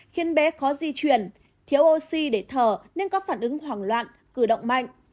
khiến bé khó di chuyển thiếu oxy để thở nên có phản ứng hoảng loạn cử động mạnh